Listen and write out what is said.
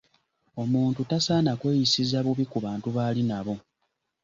Omuntu tasaana kweyisiza bubi ku bantu baali nabo.